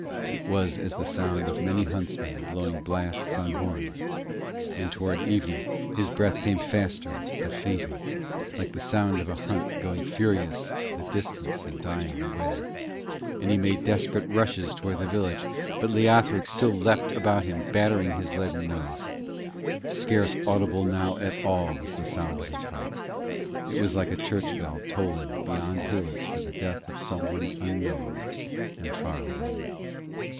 It was as the sound of many huntsmen blowing blasts on horns, and towards evening his breath came faster but fainter, like the sound of a hunt going furious to the distance and dying away, and he made desperate rushes towards the village; but Leothric still leapt about him, battering his leaden nose. Scarce audible now at all was the sound of his heart: it was like a church bell tolling beyond hills for the death of some one unknown and far away.